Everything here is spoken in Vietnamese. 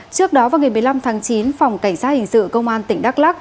trước đó vào ngày một mươi năm tháng chín phòng cảnh sát hình sự công an tỉnh đắk lắc